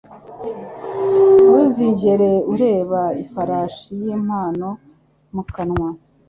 Ntuzigere ureba ifarashi y'impano mu kanwa.